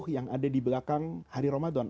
yang ada di belakang hari ramadan